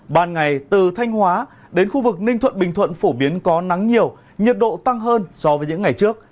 ban ngày từ thanh hóa đến khu vực ninh thuận bình thuận phổ biến có nắng nhiều nhiệt độ tăng hơn so với những ngày trước